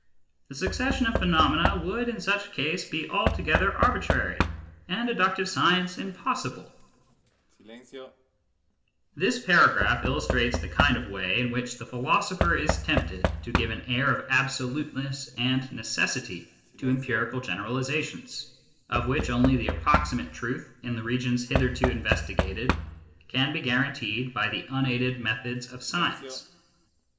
The succession of phenomena would in such case be altogether arbitrary, and deductive Science impossible." 1 First Principles (1862), Part II, beginning of chap. viu. 104 MYSTICISM AND LOGIC This paragraph illustrates the kind of way in which t ne philosopher is tempted to give an .air of absoluteness and necessity to empirical generalisations, of which only the approximate truth in the regions hitherto investi gated can be guaranteed by the unaided methods of science.